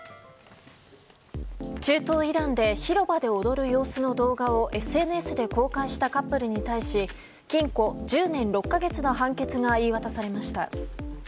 中東イランで広場で踊る様子の動画をＳＮＳで公開したカップルに対し禁錮１０年６か月の判決が言い渡されました。